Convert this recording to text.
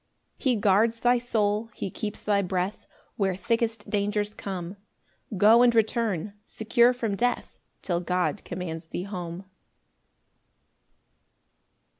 6 He guards thy soul, he keeps thy breath Where thickest dangers come; Go and return, secure from death, Till God commands thee home.